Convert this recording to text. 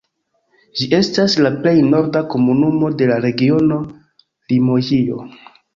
Ĝi estas la plej norda komunumo de la regiono Limoĝio.